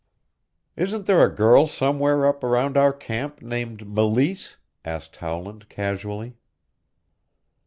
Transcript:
"Isn't there a girl somewhere up around our camp named Meleese?" asked Howland casually.